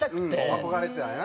憧れてたんやな。